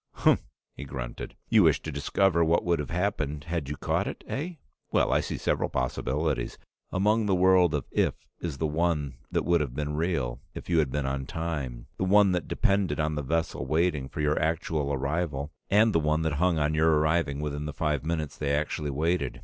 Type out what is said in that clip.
"Humph!" he grunted. "You wish to discover what would have happened had you caught it, eh? Well, I see several possibilities. Among the world of 'if' is the one that would have been real if you had been on time, the one that depended on the vessel waiting for your actual arrival, and the one that hung on your arriving within the five minutes they actually waited.